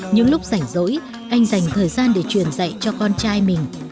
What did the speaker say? những lúc rảnh rỗi anh dành thời gian để truyền dạy cho con trai mình